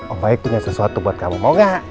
om baik punya sesuatu buat kamu mau nggak